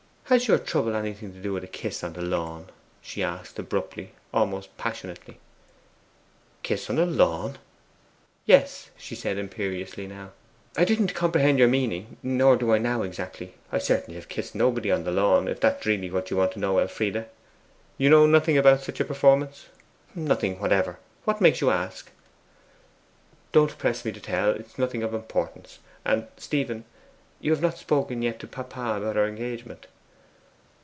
'Has your trouble anything to do with a kiss on the lawn?' she asked abruptly, almost passionately. 'Kiss on the lawn?' 'Yes!' she said, imperiously now. 'I didn't comprehend your meaning, nor do I now exactly. I certainly have kissed nobody on the lawn, if that is really what you want to know, Elfride.' 'You know nothing about such a performance?' 'Nothing whatever. What makes you ask?' 'Don't press me to tell; it is nothing of importance. And, Stephen, you have not yet spoken to papa about our engagement?